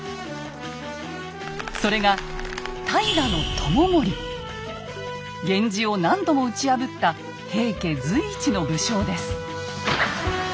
それが源氏を何度も打ち破った平家随一の武将です。